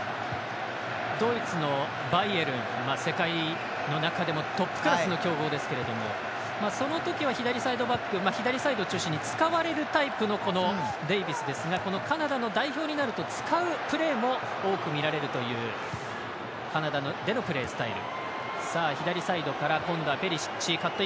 ドイツのバイエルン世界の中でもトップクラスの強豪ですけどそのときは左サイドバック左サイドを中心に使われるタイプのデイビスですがカナダの代表になると使うプレーも多く見られるというカナダでのプレースタイル。